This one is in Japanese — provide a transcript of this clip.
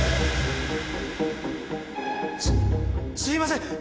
すっすいません！